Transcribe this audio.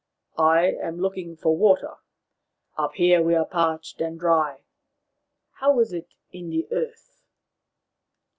" I am looking for water. Up here we are parched and dry. How is it in the earth